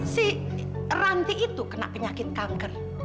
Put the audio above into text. si ranti itu kena penyakit kanker